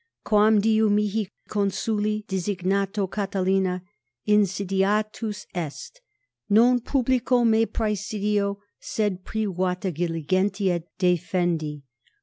Quam diu mihi, consuli designato, Catilina, insidiatus es, non publico me praesidio, sed privata diligentia defendi.